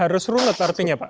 harus rulet artinya pak